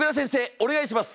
お願いします！